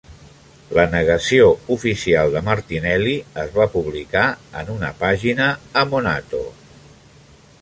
La negació oficial de Martinelli es va publicar en una pàgina a "Monato".